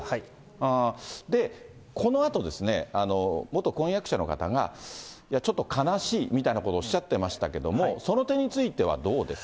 で、このあとですね、元婚約者の方が、ちょっと悲しいみたいなことをおっしゃってましたけれども、その点についてはどうです